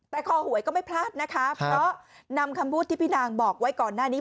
แต่คอหวยก็ไม่พลาดนะคะเพราะนำคำพูดที่พี่นางบอกไว้ก่อนหน้านี้